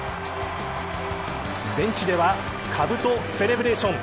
ベンチではかぶとセレブレーション